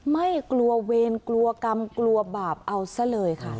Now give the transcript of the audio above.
ไม่กลัวเวรกลัวกรรมกลัวบาปเอาซะเลยค่ะ